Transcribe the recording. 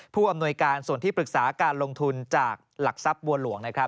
ผู้อำนวยการส่วนที่ปรึกษาการลงทุนจากหลักทรัพย์บัวหลวงนะครับ